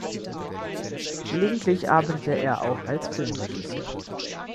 Gelegentlich arbeitete er auch als Filmregisseur.